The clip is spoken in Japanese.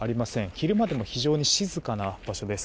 昼間でも非常に静かな場所です。